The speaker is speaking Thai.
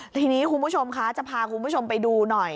ทีนี้คุณผู้ชมคะจะพาคุณผู้ชมไปดูหน่อย